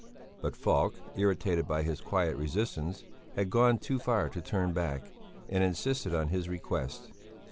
But Falk, irritated by his quiet resistance, had gone too far to turn back, and insisted on his request.